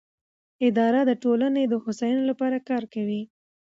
اداره د ټولنې د هوساینې لپاره کار کوي.